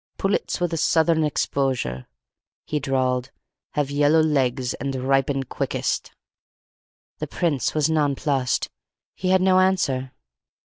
"Pullets with a southern exposure," he drawled, "have yellow legs and ripen quickest." The Prince was nonplussed. He had no answer.